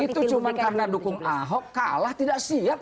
itu cuma karena dukung ahok kalah tidak siap